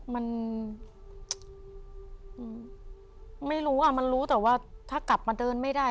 มันไม่รู้อ่ะมันรู้แต่ว่าถ้ากลับมาเดินไม่ได้